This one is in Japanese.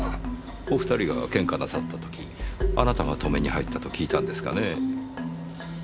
お２人がケンカなさった時あなたが止めに入ったと聞いたんですがねぇ。